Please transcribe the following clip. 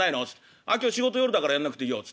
「ああ今日仕事夜だからやんなくていいよ」っつって。